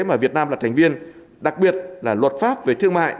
mà việt nam là thành viên đặc biệt là luật pháp về thương mại